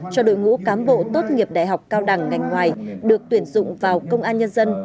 cho đội ngũ cán bộ tốt nghiệp đại học cao đẳng ngành ngoài được tuyển dụng vào công an nhân dân